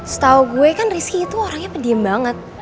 setau gue kan rizky itu orangnya pendiem banget